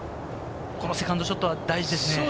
このセカンドショットは大事ですね。